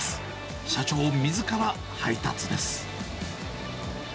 社長みずから配達です。